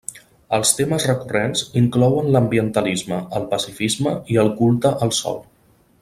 Els temes recurrents inclouen l'ambientalisme, el pacifisme i el culte al sol.